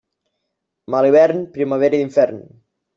Mal hivern, primavera d'infern.